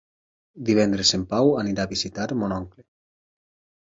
Divendres en Pau anirà a visitar mon oncle.